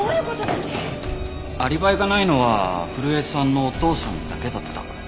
アリバイがないのは古江さんのお父さんだけだった。